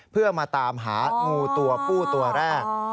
เพื่อมาตามหางูตัวผู้ตัวแรก